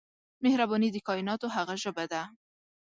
مهرباني د کایناتو هغه ژبه ده